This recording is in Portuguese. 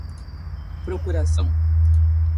procuração